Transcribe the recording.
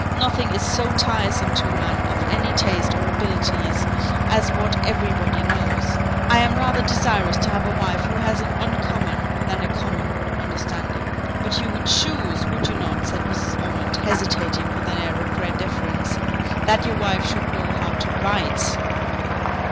Nothing is so tiresome to a man of any taste or abilities as what every body knows. I am rather desirous to have a wife who has an uncommon than a common understanding." "But you would choose, would not you," said Mrs. Ormond, hesitating with an air of great deference, "that your wife should know how to write?"